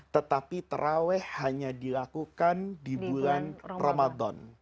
tetapi terawih hanya dilakukan di bulan ramadan